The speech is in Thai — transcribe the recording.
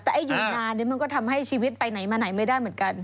แต่อยู่นานมันก็ทำให้ชีวิตไปไหนมาไหนไม่ได้เหมือนกัน